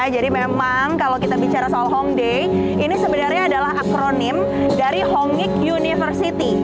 jadi memang kalau kita bicara soal hongdae ini sebenarnya adalah akronim dari hongik university